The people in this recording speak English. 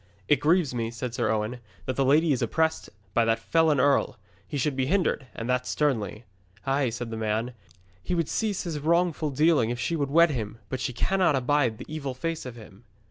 'It grieves me,' said Sir Owen, 'that the lady is oppressed by that felon earl. He should be hindered, and that sternly.' 'Ay,' said the man, 'he would cease his wrongful dealing if she would wed him, but she cannot abide the evil face of him.'